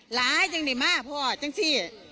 หลายจังได้มากพ่อจังสิ